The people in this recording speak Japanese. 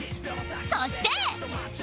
そして